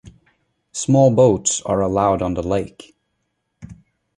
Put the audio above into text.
Small boats are allowed on the lake.